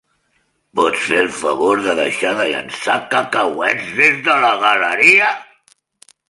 Pots fer el favor de deixar de llençar cacauets des de la galeria?